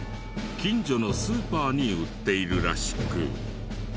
近所のスーパーに売っているらしく。